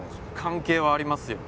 関係はありますよ。